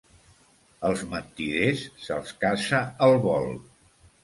Els mentiders se'ls caça al vol.